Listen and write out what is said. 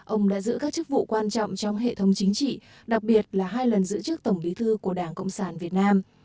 ông đã giữ các chức vụ quan trọng trong hệ thống chính trị đặc biệt là hai lần giữ chức tổng bí thư của đảng cộng sản việt nam